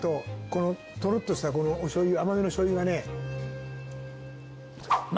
このトロッとしたこのお醤油甘めの醤油がね。